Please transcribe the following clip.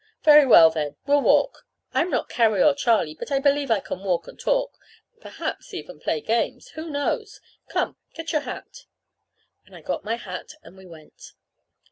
Very well, then, we'll walk. I'm not Carrie or Charlie, but I believe I can walk and talk perhaps even play games. Who knows? Come, get your hat." And I got my hat, and we went.